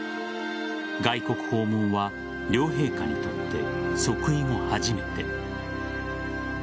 外国訪問は両陛下にとって即位後初めて。